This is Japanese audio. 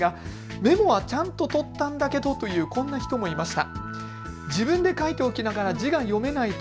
メモはちゃんととったんだけどという人もいました。